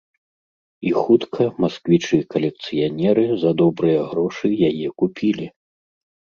І хутка масквічы-калекцыянеры за добрыя грошы яе купілі.